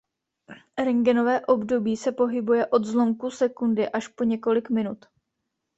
Rentgenové období se pohybuje od zlomků sekundy až po několik minut.